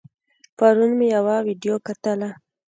پرون مې يوه ويډيو کتله